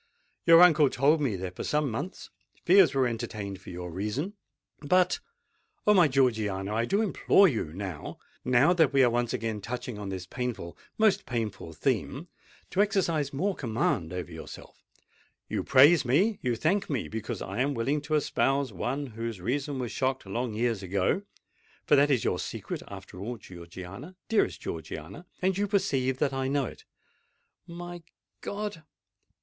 Your uncle told me that for some months fears were entertained for your reason: but——Oh! my Georgiana, I do implore you now—now that we are once again touching on this painful—most painful theme—to exercise more command over yourself. You praise me—you thank me, because I am willing to espouse one whose reason was shocked long years ago;—for that is your secret, after all, Georgiana—dearest Georgiana;—and you perceive that I know it!" "My God!